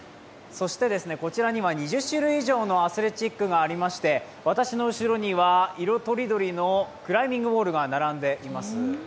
こちらには２０種類以上のアスレチックがありまして私の後ろには色とりどりのクライミングウォールが並んでおります。